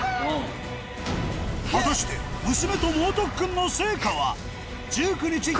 果たして娘と猛特訓の成果は？